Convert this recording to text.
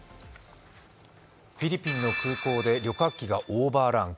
フィリピンの空港で旅客機がオーバーラン。